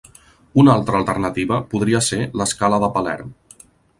Una altra alternativa podria ser l'Escala de Palerm.